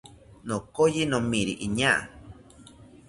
Nokoyi nomiri iñaa